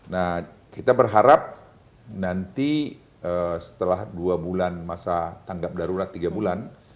nah kita berharap nanti setelah dua bulan masa tanggap darurat tiga bulan